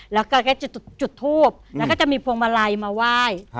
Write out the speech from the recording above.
แล้วก็จุดทูบแล้วก็จะมีพวงมาลัยมาไหว้